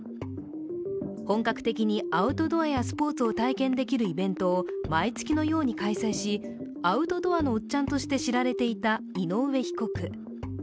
本格的にアウトドアやスポーツを体験できるイベントを毎月のように開催しアウトドアのおっちゃんとして知られていた井上被告。